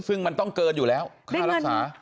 ซึ่งมันต้องเกินอยู่แล้วค่ารักษา